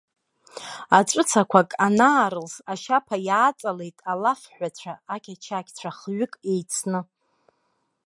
Аҵәыцақәак анаарылс, ашьаԥа иааҵалеит алафҳәацәаақьачақьцәа хҩык еицны.